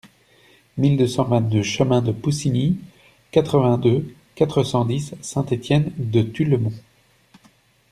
mille deux cent vingt-deux chemin de Pousinies, quatre-vingt-deux, quatre cent dix, Saint-Étienne-de-Tulmont